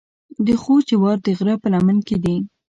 د خوست جوار د غره په لمن کې دي.